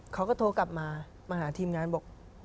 เขาก็โทรกลับมามาหาทีมงานบอก